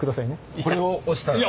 これを押したら。